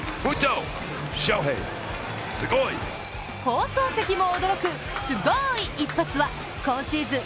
放送席も驚く、スゴーイ一発は今シーズン